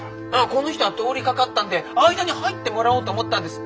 この人が通りかかったんで間に入ってもらおうと思ったんです。